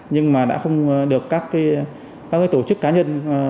nhưng mà đã không được các tổ chức cá nhân có chứng minh